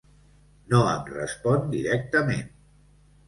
No em respon directament.